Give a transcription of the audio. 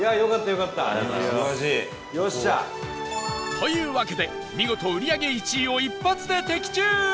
というわけで、見事売り上げ１位を一発で的中！